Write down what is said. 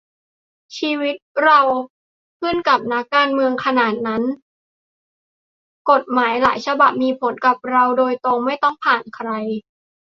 ชีวิตเราขึ้นกับนักการเมืองขนาดนั้น ? กฎหมายหลายฉบับมีผลกับเราโดยตรง ไม่ต้องผ่านใคร